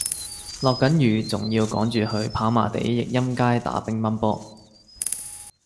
落緊雨仲要趕住去跑馬地奕蔭街打乒乓波